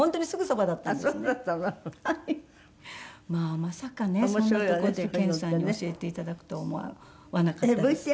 まさかねそんな所で謙さんに教えて頂くと思わなかったです。